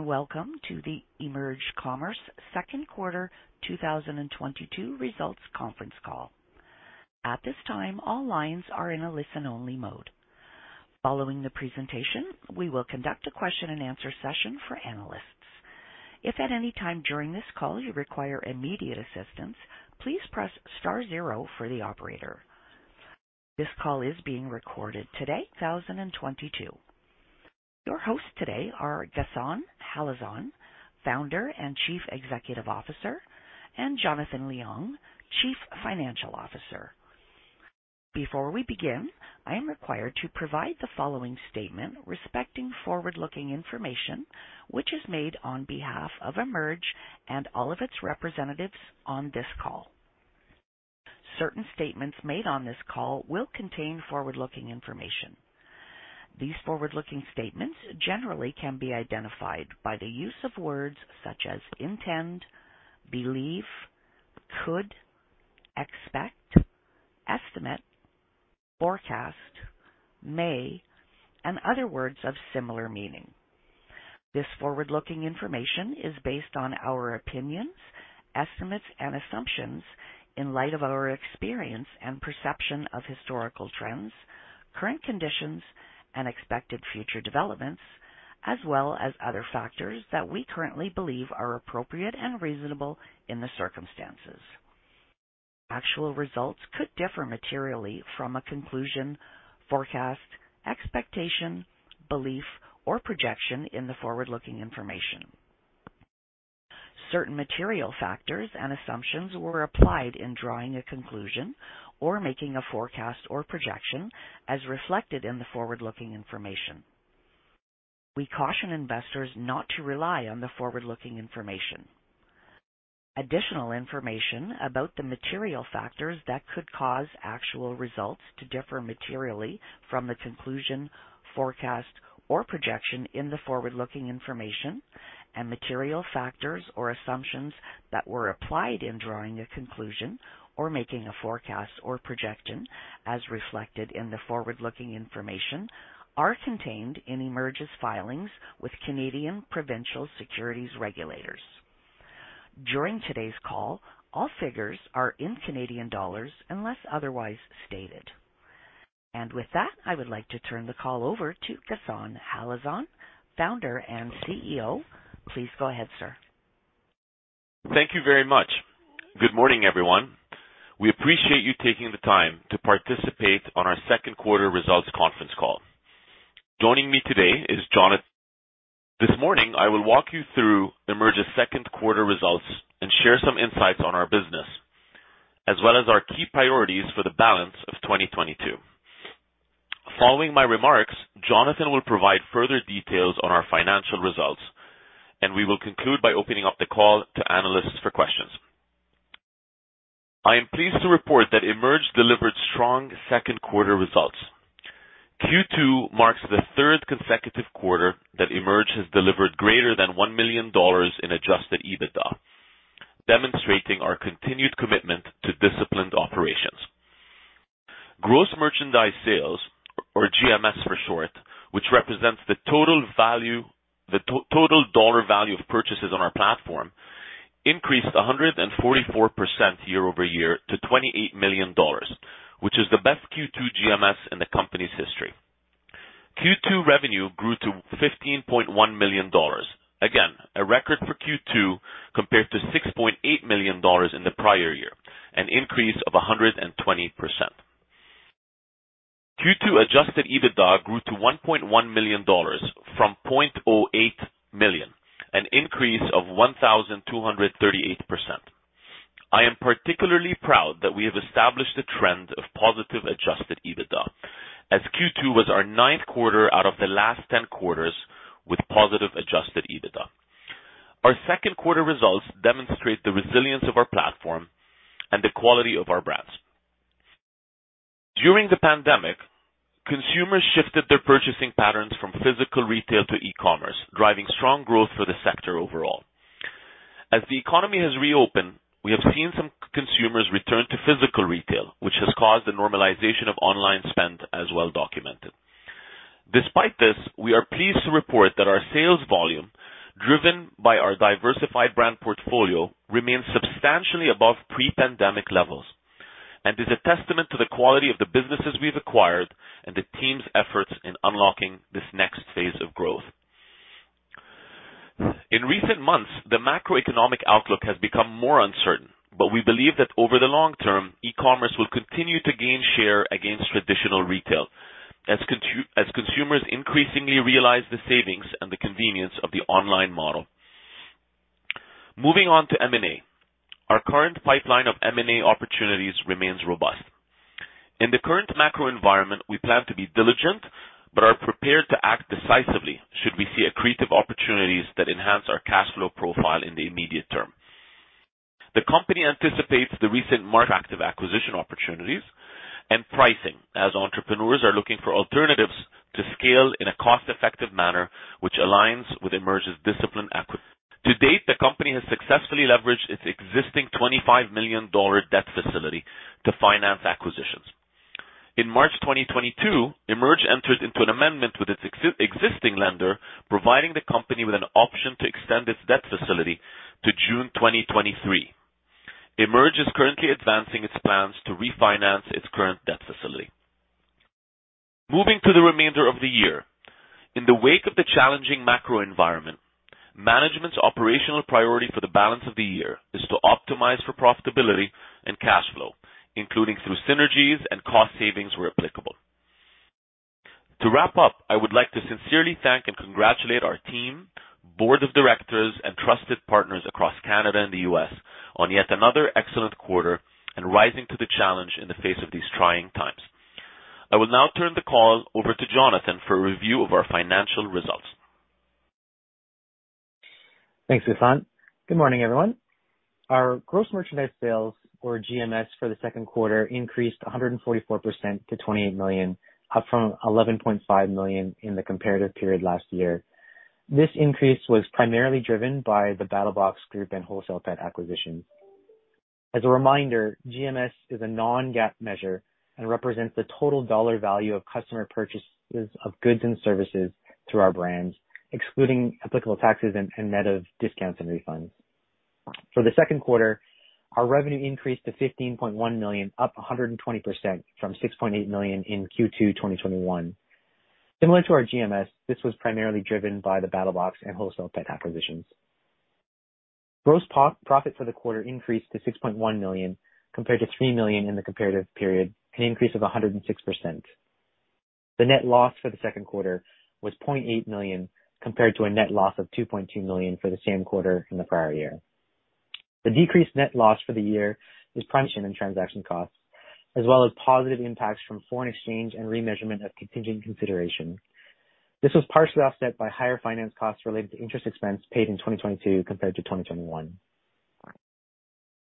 Welcome to the EMERGE Commerce second quarter 2022 results conference call. At this time, all lines are in a listen-only mode. Following the presentation, we will conduct a Q&A session for analysts. If at any time during this call you require immediate assistance, please press star zero for the operator. This call is being recorded today, 2022. Your hosts today are Ghassan Halazon, Founder and Chief Executive Officer, and Jonathan Leong, Chief Financial Officer. Before we begin, I am required to provide the following statement respecting forward-looking information which is made on behalf of EMERGE and all of its representatives on this call. Certain statements made on this call will contain forward-looking information. These forward-looking statements generally can be identified by the use of words such as intend, believe, could, expect, estimate, forecast, may, and other words of similar meaning. This forward-looking information is based on our opinions, estimates, and assumptions in light of our experience and perception of historical trends, current conditions, and expected future developments, as well as other factors that we currently believe are appropriate and reasonable in the circumstances. Actual results could differ materially from a conclusion, forecast, expectation, belief, or projection in the forward-looking information. Certain material factors and assumptions were applied in drawing a conclusion or making a forecast or projection as reflected in the forward-looking information. We caution investors not to rely on the forward-looking information. Additional information about the material factors that could cause actual results to differ materially from the conclusion, forecast, or projection in the forward-looking information and material factors or assumptions that were applied in drawing a conclusion or making a forecast or projection as reflected in the forward-looking information are contained in EMERGE's filings with Canadian Securities Administrators. During today's call, all figures are in Canadian dollars unless otherwise stated. With that, I would like to turn the call over to Ghassan Halazon, Founder and CEO. Please go ahead, sir. Thank you very much. Good morning, everyone. We appreciate you taking the time to participate on our second quarter results conference call. Joining me today is Jonathan. This morning, I will walk you through EMERGE's second quarter results and share some insights on our business, as well as our key priorities for the balance of 2022. Following my remarks, Jonathan will provide further details on our financial results, and we will conclude by opening up the call to analysts for questions. I am pleased to report that EMERGE delivered strong second quarter results. Q2 marks the third consecutive quarter that EMERGE has delivered greater than 1 million dollars in adjusted EBITDA, demonstrating our continued commitment to disciplined operations. Gross merchandise sales, or GMS for short, which represents the total dollar value of purchases on our platform, increased 144% year-over-year to 28 million dollars, which is the best Q2 GMS in the company's history. Q2 revenue grew to 15.1 million dollars. Again, a record for Q2 compared to 6.8 million dollars in the prior year, an increase of 120%. Q2 adjusted EBITDA grew to 1.1 million dollars from 0.08 million, an increase of 1,238%. I am particularly proud that we have established a trend of positive adjusted EBITDA, as Q2 was our ninth quarter out of the last 10 quarters with positive adjusted EBITDA. Our second quarter results demonstrate the resilience of our platform and the quality of our brands. During the pandemic, consumers shifted their purchasing patterns from physical retail to e-commerce, driving strong growth for the sector overall. As the economy has reopened, we have seen some consumers return to physical retail, which has caused the normalization of online spend as well documented. Despite this, we are pleased to report that our sales volume, driven by our diversified brand portfolio, remains substantially above pre-pandemic levels and is a testament to the quality of the businesses we've acquired and the team's efforts in unlocking this next phase of growth. In recent months, the macroeconomic outlook has become more uncertain, but we believe that over the long term, e-commerce will continue to gain share against traditional retail as consumers increasingly realize the savings and the convenience of the online model. Moving on to M&A. Our current pipeline of M&A opportunities remains robust. In the current macro environment, we plan to be diligent, but are prepared to act decisively should we see accretive opportunities that enhance our cash flow profile in the immediate term. The company anticipates the recent market active acquisition opportunities and pricing as entrepreneurs are looking for alternatives to scale in a cost-effective manner, which aligns with EMERGE's business. To date, the company has successfully leveraged its existing 25 million dollar debt facility to finance acquisitions. In March 2022, EMERGE entered into an amendment with its existing lender, providing the company with an option to extend its debt facility to June 2023. EMERGE is currently advancing its plans to refinance its current debt facility. Moving to the remainder of the year. In the wake of the challenging macro environment, management's operational priority for the balance of the year is to optimize for profitability and cash flow, including through synergies and cost savings where applicable. To wrap up, I would like to sincerely thank and congratulate our team, board of directors and trusted partners across Canada and the U.S. on yet another excellent quarter and rising to the challenge in the face of these trying times. I will now turn the call over to Jonathan for a review of our financial results. Thanks, Ghassan. Good morning, everyone. Our gross merchandise sales, or GMS, for the second quarter increased 144% to 28 million, up from 11.5 million in the comparative period last year. This increase was primarily driven by the BattlBox group and WholesalePet acquisition. As a reminder, GMS is a non-GAAP measure and represents the total dollar value of customer purchases of goods and services through our brands, excluding applicable taxes and net of discounts and refunds. For the second quarter, our revenue increased to 15.1 million, up 120% from 6.8 million in Q2 2021. Similar to our GMS, this was primarily driven by the BattlBox and WholesalePet acquisitions. Gross profit for the quarter increased to 6.1 million, compared to 3 million in the comparative period, an increase of 106%. The net loss for the second quarter was 0.8 million, compared to a net loss of 2.2 million for the same quarter in the prior year. The decreased net loss for the year is primarily in transaction costs, as well as positive impacts from foreign exchange and remeasurement of contingent consideration. This was partially offset by higher finance costs related to interest expense paid in 2022 compared to 2021.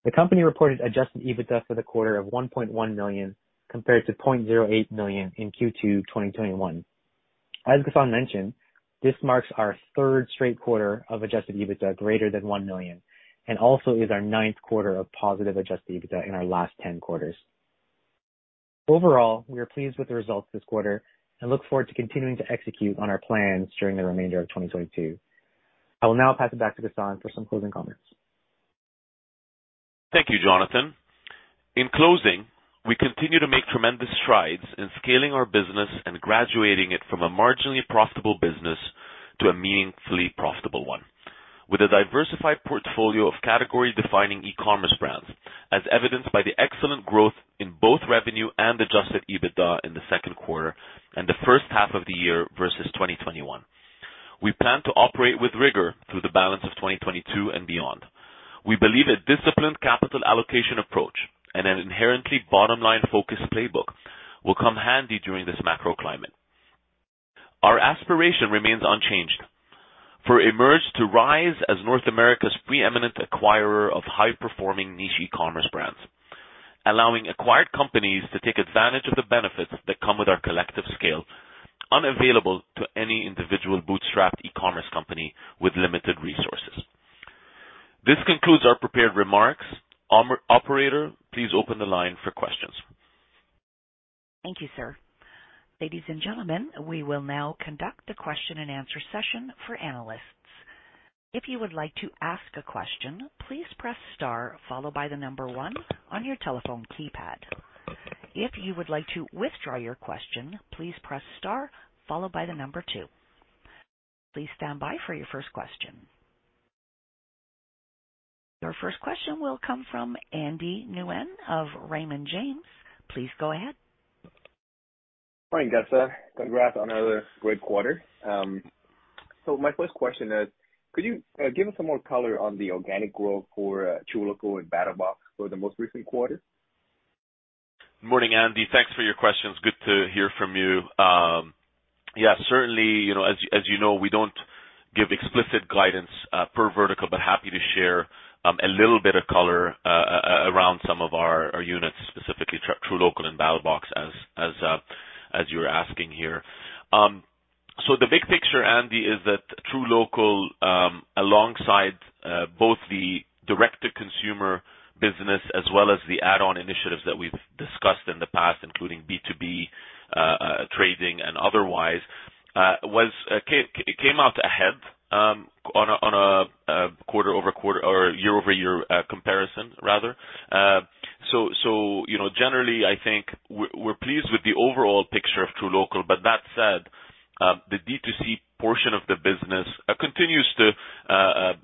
The company reported adjusted EBITDA for the quarter of 1.1 million compared to 0.08 million in Q2 2021. As Ghassan mentioned, this marks our third straight quarter of adjusted EBITDA greater than 1 million and also is our ninth quarter of positive adjusted EBITDA in our last 10 quarters. Overall, we are pleased with the results this quarter and look forward to continuing to execute on our plans during the remainder of 2022. I will now pass it back to Ghassan for some closing comments. Thank you, Jonathan. In closing, we continue to make tremendous strides in scaling our business and graduating it from a marginally profitable business to a meaningfully profitable one with a diversified portfolio of category-defining e-commerce brands, as evidenced by the excellent growth in both revenue and adjusted EBITDA in the second quarter and the first half of the year versus 2021. We plan to operate with rigor through the balance of 2022 and beyond. We believe a disciplined capital allocation approach and an inherently bottom-line focused playbook will come handy during this macro climate. Our aspiration remains unchanged for EMERGE to rise as North America's preeminent acquirer of high-performing niche e-commerce brands, allowing acquired companies to take advantage of the benefits that come with our collective scale, unavailable to any individual bootstrapped e-commerce company with limited resources. This concludes our prepared remarks. Operator, please open the line for questions. Thank you, sir. Ladies and gentlemen, we will now conduct a Q&A session for analysts. If you would like to ask a question, please press star followed by one on your telephone keypad. If you would like to withdraw your question, please press star followed by two. Please stand by for your first question. Your first question will come from Andy Nguyen of Raymond James. Please go ahead. Morning, Ghassan. Congrats on another great quarter. My first question is, could you give us some more color on the organic growth for truLOCAL and BattlBox for the most recent quarter? Morning, Andy. Thanks for your questions. Good to hear from you. Yeah, certainly, you know, as you know, we don't give explicit guidance, per vertical, but happy to share a little bit of color around some of our units, specifically truLOCAL and BattlBox, as you're asking here. The big picture, Andy, is that truLOCAL, alongside both the direct-to-consumer business as well as the add-on initiatives that we've discussed in the past, including B2B, trading and otherwise, came out ahead on a quarter-over-quarter or year-over-year comparison rather. You know, generally I think we're pleased with the overall picture of truLOCAL. That said, the D2C portion of the business continues to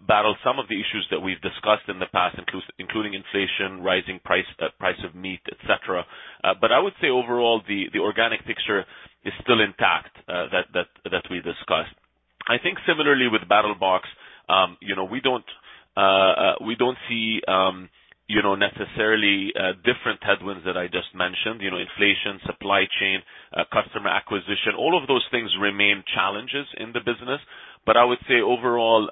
battle some of the issues that we've discussed in the past, including inflation, rising price of meat, et cetera. I would say overall, the organic picture is still intact that we discussed. I think similarly with BattlBox, you know, we don't see you know, necessarily different headwinds that I just mentioned. You know, inflation, supply chain, customer acquisition, all of those things remain challenges in the business. I would say overall,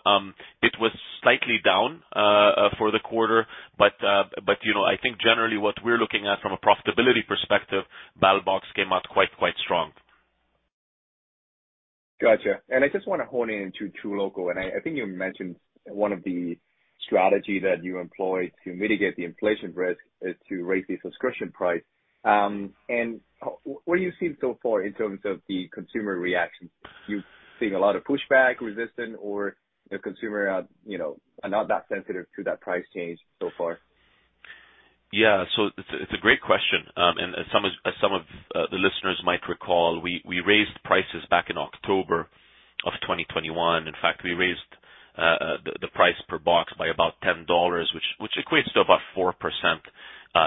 it was slightly down for the quarter. You know, I think generally what we're looking at from a profitability perspective, BattlBox came out quite strong. Gotcha. I just wanna hone in to truLOCAL. I think you mentioned one of the strategy that you employ to mitigate the inflation risk is to raise the subscription price. What have you seen so far in terms of the consumer reaction? You've seen a lot of pushback, resistance, or the consumer are, you know, not that sensitive to that price change so far? Yeah. It's a great question. As some of the listeners might recall, we raised prices back in October 2021. In fact, we raised the price per box by about 10 dollars which equates to about 4%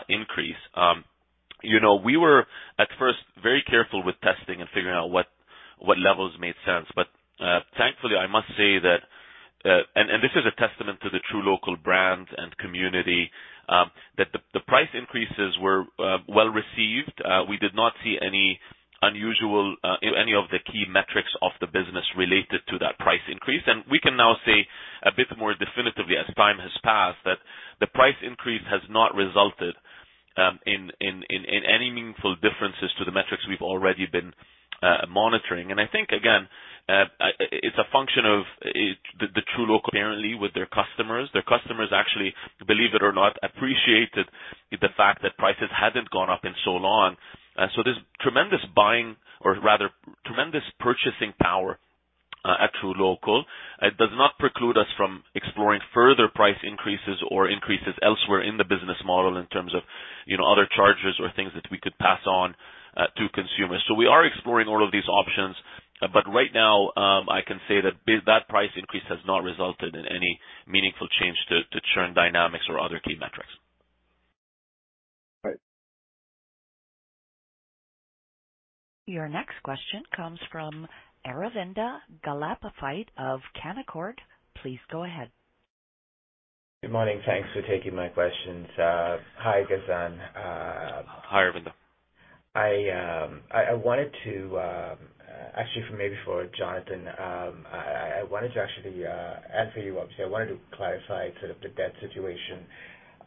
increase. You know, we were at first very careful with testing and figuring out what levels made sense. Thankfully, I must say that this is a testament to the truLOCAL brand and community that the price increases were well received. We did not see any unusual, any of the key metrics of the business related to that price increase. We can now say a bit more definitively as time has passed, that the price increase has not resulted in any meaningful differences to the metrics we've already been monitoring. I think again, it's a function of the truLOCAL apparently with their customers. Their customers actually, believe it or not, appreciated the fact that prices hadn't gone up in so long. There's tremendous buying or rather tremendous purchasing power at truLOCAL. It does not preclude us from exploring further price increases or increases elsewhere in the business model in terms of, you know, other charges or things that we could pass on to consumers. We are exploring all of these options. Right now, I can say that price increase has not resulted in any meaningful change to churn dynamics or other key metrics. Right. Your next question comes from Aravinda Galappatthige of Canaccord. Please go ahead. Good morning. Thanks for taking my questions. Hi, Ghassan. Hi, Aravinda. I wanted to actually maybe for Jonathan, after you obviously, clarify sort of the debt situation.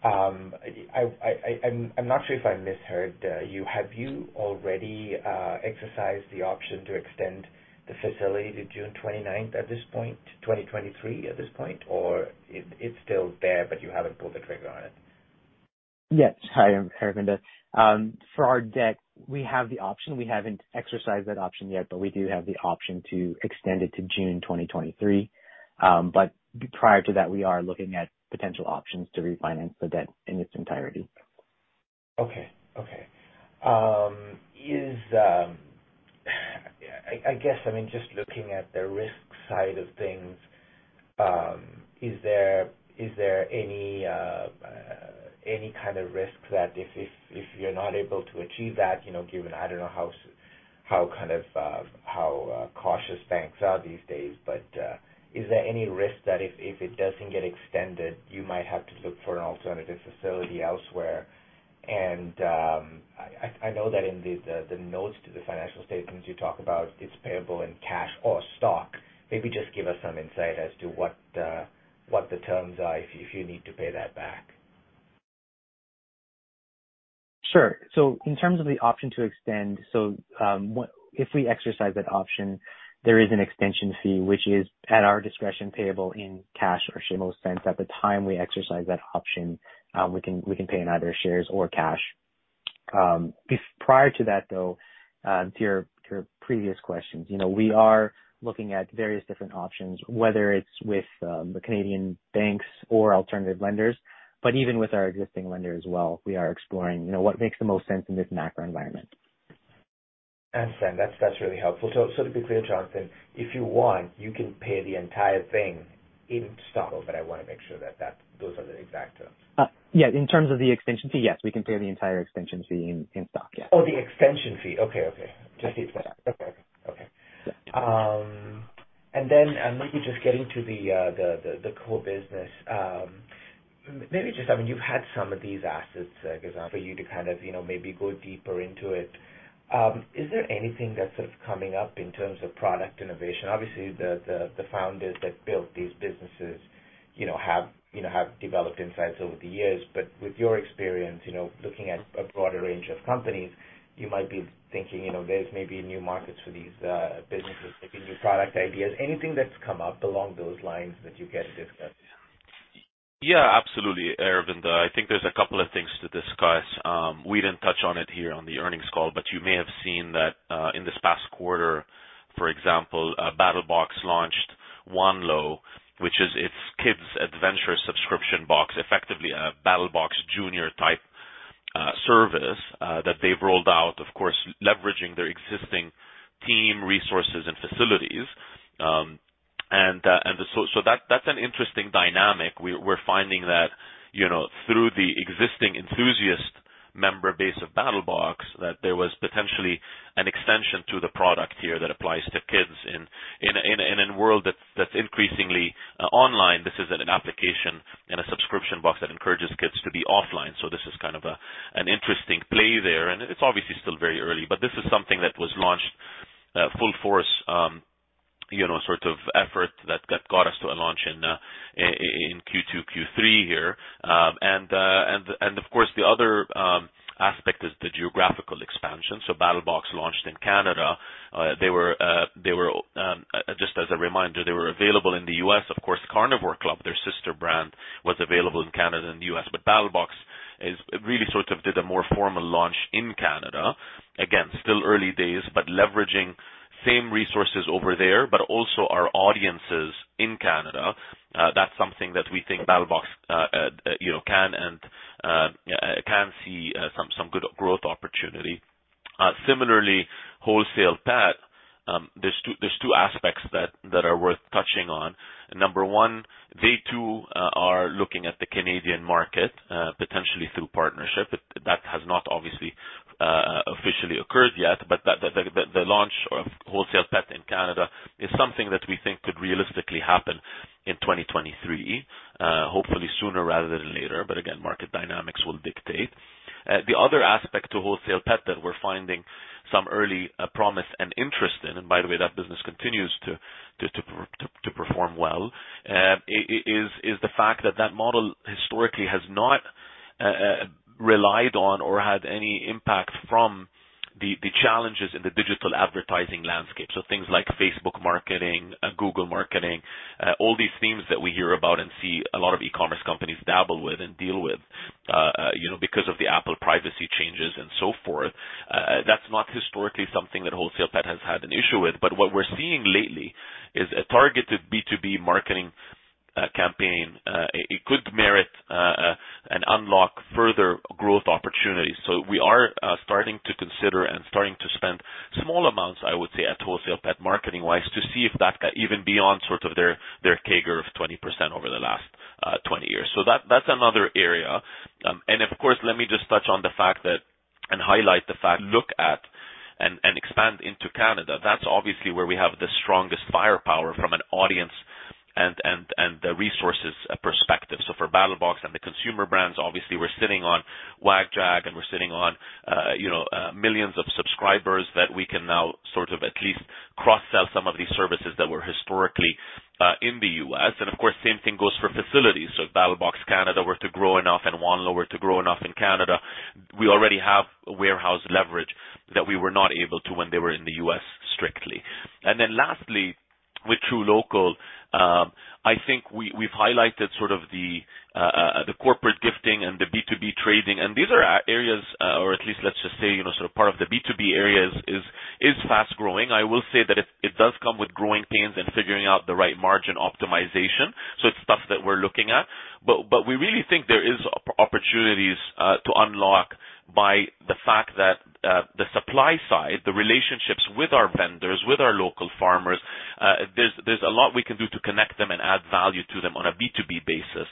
I'm not sure if I misheard you. Have you already exercised the option to extend the facility to June 29th, 2023 at this point? Or it's still there, but you haven't pulled the trigger on it? Yes. Hi, Aravinda. For our debt, we have the option. We haven't exercised that option yet, but we do have the option to extend it to June 2023. Prior to that, we are looking at potential options to refinance the debt in its entirety. Okay. I guess, I mean, just looking at the risk side of things, is there any kind of risk that if you're not able to achieve that, you know, given I don't know how kind of cautious banks are these days? Is there any risk that if it doesn't get extended, you might have to look for an alternative facility elsewhere? I know that in the notes to the financial statements you talk about it's payable in cash or stock. Maybe just give us some insight as to what the terms are if you need to pay that back. Sure. In terms of the option to extend, if we exercise that option there is an extension fee which is at our discretion payable in cash or shares at the time we exercise that option, we can pay in either shares or cash. Prior to that though, to your previous questions, you know, we are looking at various different options, whether it's with the Canadian banks or alternative lenders. Even with our existing lender as well, we are exploring, you know, what makes the most sense in this macro environment. Understand. That's really helpful. To be clear, Jonathan, if you want, you can pay the entire thing in stock, but I wanna make sure that those are the exact terms. Yeah, in terms of the extension fee, yes. We can pay the entire extension fee in stock. Yeah. Oh, the extension fee. Okay. Just to be clear. Okay. Yeah. Maybe just getting to the core business. Maybe just, I mean, you've had some of these assets, Ghassan, for you to kind of, you know, maybe go deeper into it. Is there anything that's sort of coming up in terms of product innovation? Obviously, the founders that built these businesses, you know, have developed insights over the years. With your experience, you know, looking at a broader range of companies, you might be thinking, you know, there's maybe new markets for these businesses, maybe new product ideas. Anything that's come up along those lines that you care to discuss? Yeah, absolutely, Aravinda. I think there's a couple of things to discuss. We didn't touch on it here on the earnings call, but you may have seen that, in this past quarter, for example, BattlBox launched Wander, which is its kids adventure subscription box, effectively a BattlBox junior type service that they've rolled out, of course, leveraging their existing team resources and facilities. So that's an interesting dynamic. We're finding that, you know, through the existing enthusiast member base of BattlBox, that there was potentially an extension to the product here that applies to kids in a world that's increasingly online. This is an application and a subscription box that encourages kids to be offline. This is kind of an interesting play there. It's obviously still very early, but this is something that was launched full force. You know, sort of effort that got us to a launch in Q2, Q3 here. Of course, the other aspect is the geographical expansion. BattlBox launched in Canada. They were just as a reminder, they were available in the U.S. Of course, Carnivore Club, their sister brand, was available in Canada and the U.S., but BattlBox really sort of did a more formal launch in Canada. Again, still early days, but leveraging same resources over there, but also our audiences in Canada. That's something that we think BattlBox, you know, can, yeah, can see some good growth opportunity. Similarly, WholesalePet.com, there are two aspects that are worth touching on. Number one, they too are looking at the Canadian market potentially through partnership. That has not obviously officially occurred yet, but the launch of WholesalePet.com in Canada is something that we think could realistically happen in 2023, hopefully sooner rather than later. Again, market dynamics will dictate. The other aspect to WholesalePet.com that we're finding some early promise and interest in, and by the way, that business continues to perform well, is the fact that that model historically has not relied on or had any impact from the challenges in the digital advertising landscape. Things like Facebook marketing, Google marketing, all these themes that we hear about and see a lot of e-commerce companies dabble with and deal with, you know, because of the Apple privacy changes and so forth. That's not historically something that WholesalePet has had an issue with. But what we're seeing lately is a targeted B2B marketing campaign it could merit and unlock further growth opportunities. We are starting to consider and starting to spend small amounts, I would say, at WholesalePet marketing wise, to see if that can even be on sort of their CAGR of 20% over the last 20 years. That's another area. Of course, let me just touch on the fact that and highlight the fact. Look at and expand into Canada. That's obviously where we have the strongest firepower from an audience and the resources perspective. For BattlBox and the consumer brands, obviously we're sitting on WagJag, and we're sitting on you know millions of subscribers that we can now sort of at least cross-sell some of these services that were historically in the U.S. Of course, same thing goes for facilities. If BattlBox Canada were to grow enough and One Lower to grow enough in Canada, we already have warehouse leverage that we were not able to when they were in the U.S. strictly. Lastly, with truLOCAL, I think we've highlighted sort of the corporate gifting and the B2B trading, and these are areas, or at least let's just say, you know, sort of part of the B2B areas is fast-growing. I will say that it does come with growing pains and figuring out the right margin optimization. It's stuff that we're looking at. We really think there is opportunities to unlock by the fact that the supply side, the relationships with our vendors, with our local farmers, there's a lot we can do to connect them and add value to them on a B2B basis.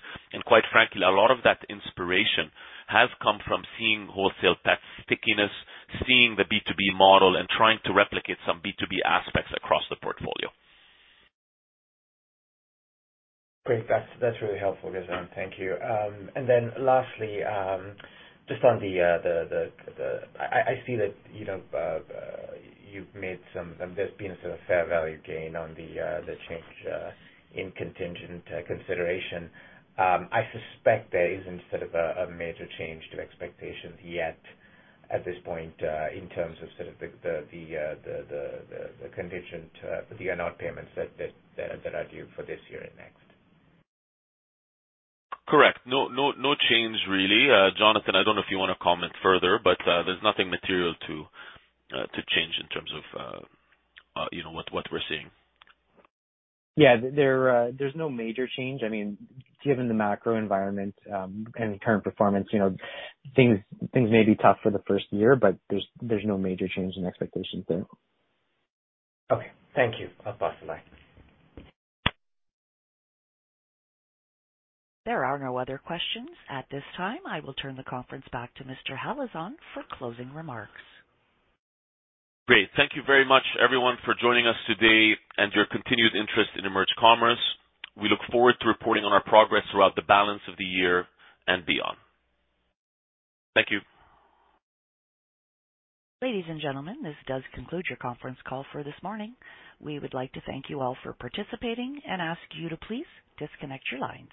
Quite frankly, a lot of that inspiration has come from seeing WholesalePet.com's stickiness, seeing the B2B model, and trying to replicate some B2B aspects across the portfolio. Great. That's really helpful, Ghassan. Thank you. Lastly, just on the I see that, you know, you've made some, there's been a sort of fair value gain on the change in contingent consideration. I suspect there isn't sort of a major change to expectations yet at this point in terms of sort of the contingent earn-out payments that are due for this year and next. Correct. No change really. Jonathan, I don't know if you wanna comment further, but there's nothing material to change in terms of you know, what we're seeing. Yeah. There's no major change. I mean, given the macro environment and current performance, you know, things may be tough for the first year, but there's no major change in expectations there. Okay. Thank you. Bye for now. There are no other questions at this time. I will turn the conference back to Mr. Halazon for closing remarks. Great. Thank you very much everyone for joining us today and your continued interest in EMERGE Commerce. We look forward to reporting on our progress throughout the balance of the year and beyond. Thank you. Ladies and gentlemen, this does conclude your conference call for this morning. We would like to thank you all for participating and ask you to please disconnect your lines.